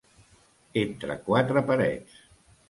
Entre quatre parets.